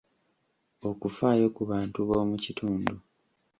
Okufaayo ku bantu b’omu kitundu.